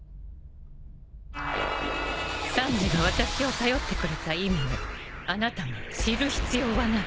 サンジが私を頼ってくれた意味をあなたが知る必要はない。